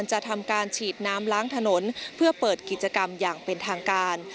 จะทำการฉีดน้ำล้างถนนเพื่อเปิดกิจกรรมอย่างเป็นทางการ